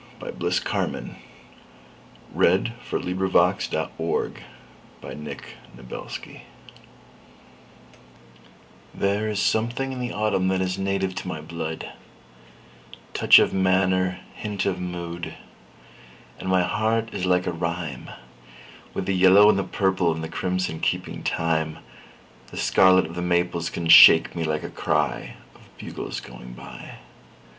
Bliss Carman A Vagabond Song THERE is something in the autumn that is native to my blood—Touch of manner, hint of mood; And my heart is like a rhyme, With the yellow and the purple and the crimson keeping time. The scarlet of the maples can shake me like a cryOf bugles going by.